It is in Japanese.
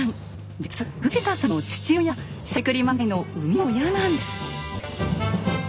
実は藤田さんの父親がしゃべくり漫才の生みの親なんです。